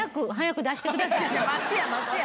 待ちや待ちや。